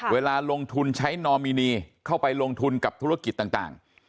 เวลาลงทุนใช้นอมินีเข้าไปลงทุนกับธุรกิจต่าง